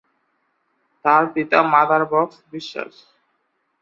তার পিতা মাদার বক্স বিশ্বাস।